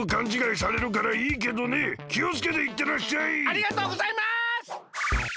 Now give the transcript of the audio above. ありがとうございます！